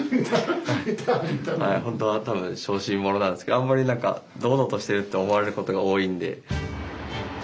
本当は多分小心者なんですけどあんまり何か堂々としてるって思われることが多いんで。